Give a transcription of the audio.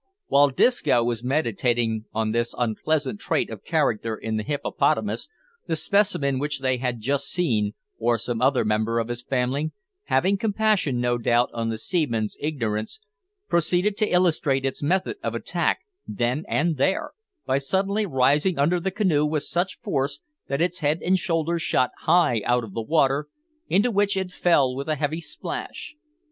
While Disco was meditating on this unpleasant trait of character in the hippopotamus, the specimen which they had just seen, or some other member of his family, having compassion, no doubt, on the seaman's ignorance, proceeded to illustrate its method of attack then and there by rising suddenly under the canoe with such force, that its head and shoulders shot high out of the water, into which it fell with a heavy splash.